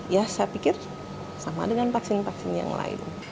ya saya pikir sama dengan vaksin vaksin yang lain